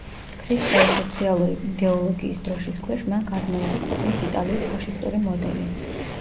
ქრისტიან-სოციალური იდეოლოგიის დროშის ქვეშ მან გადმოიღო ქვეყნის იტალიურ ფაშისტური მოდელი.